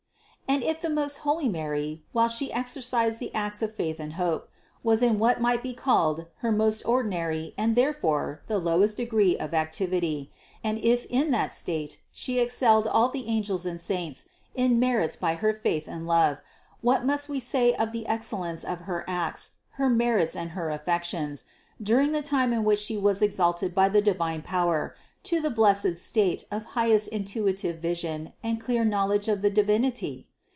500. And if the most holy Mary, while She exercised the acts of faith and hope, was in what might be called her most ordinary and therefore the lowest degree of activity, and if in that state She excelled all the angels and saints in merits by her faith and love, what must we say of the excellence of her acts, her merits and her affections, during the time in which She was exalted by the divine power to the blessed state of highest intuitive vision and clear knowledge of the Divinity?